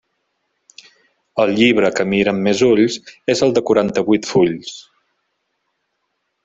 El llibre que miren més ulls és el de quaranta-vuit fulls.